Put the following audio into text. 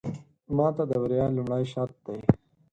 ماته د بريا لومړې شرط دی.